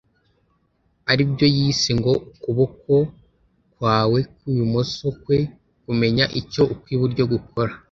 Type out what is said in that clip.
aribyo yise ngo “ukuboko kwawe kw’ibumoso kwe kumenya icyo ukw’iburyo gukora”